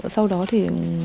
sau đó thì